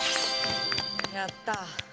やった。